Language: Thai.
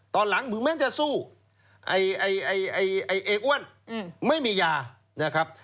ตอนหลังถึงแม้จะสู้ไอ้เออ้วนไม่มียานะครับ